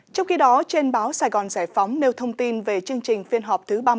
trong khi đó trên báo sài gòn giải phóng nêu thông tin về chương trình phiên họp thứ ba mươi